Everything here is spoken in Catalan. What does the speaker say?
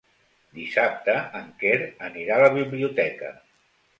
Dissabte en Quer anirà a la biblioteca.